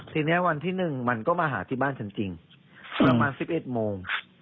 ทีนี้วันที่๑มันก็มาหาที่บ้านฉันจริงประมาณ๑๑โมง